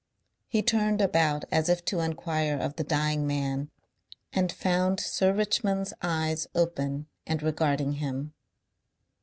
He turned about as if to enquire of the dying man and found Sir Richmond's eyes open and regarding him.